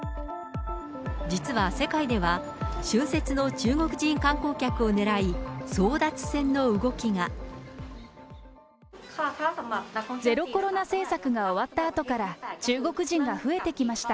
実は世界では、春節の中国人観光客を狙い、ゼロコロナ政策が終わったあとから、中国人が増えてきました。